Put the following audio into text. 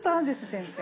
先生。